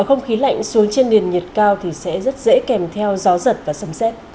không khí lạnh xuống trên nền nhiệt cao thì sẽ rất dễ kèm theo gió giật và sầm xét